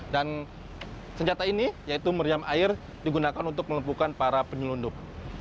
dan senjata ini yaitu meriam air digunakan untuk melempukan para penyelundup